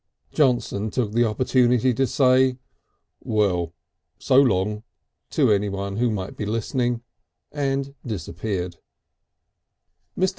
Johnson took the opportunity to say, "Well so long," to anyone who might be listening, and disappear. Mr.